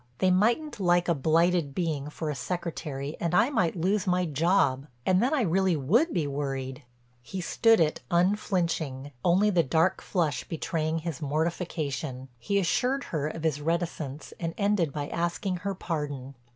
They mightn't like a blighted being for a secretary and I might lose my job, and then I really would be worried." He stood it unflinching, only the dark flush betraying his mortification. He assured her of his reticence and ended by asking her pardon.